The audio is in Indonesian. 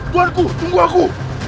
tuhan tunggu aku